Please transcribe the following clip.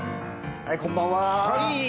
はいこんばんは。